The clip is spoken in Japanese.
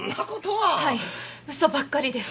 はい嘘ばっかりです。